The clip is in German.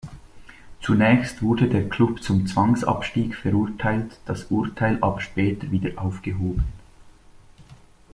Zunächst wurde der Klub zum Zwangsabstieg verurteilt, das Urteil aber später wieder aufgehoben.